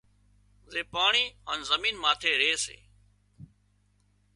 زي پاڻي هانَ زمين ماٿي ري سي